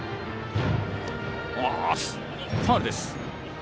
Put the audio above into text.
ファウルです。